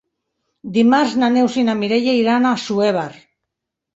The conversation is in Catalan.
Dimarts na Neus i na Mireia iran a Assuévar.